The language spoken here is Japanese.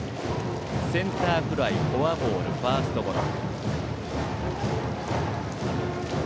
センターフライフォアボール、ファーストゴロ。